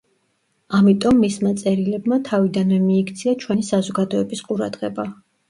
ამიტომ მისმა წერილებმა თავიდანვე მიიქცია ჩვენი საზოგადოების ყურადღება.